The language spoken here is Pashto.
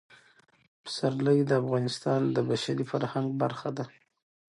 پسرلی د افغانستان د بشري فرهنګ برخه ده.